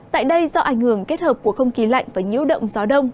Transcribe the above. tại đây do ảnh hưởng kết hợp của không khí lạnh và nhiễu động gió đông